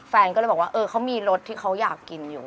แฟนก็เลยบอกว่าเออเขามีรสที่เขาอยากกินอยู่